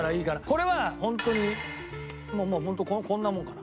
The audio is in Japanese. これはホントにもうホントこんなもんかな。